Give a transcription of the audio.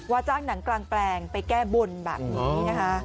จ้างหนังกลางแปลงไปแก้บนแบบนี้นะคะ